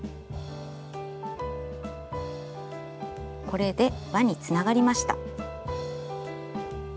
これで輪につながりました。